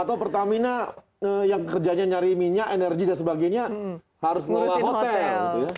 karena yang kerjanya nyari minyak energi dan sebagainya harus mengurusin hotel